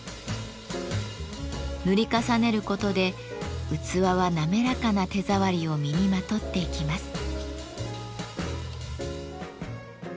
塗り重ねることで器は滑らかな手触りを身にまとっていきます。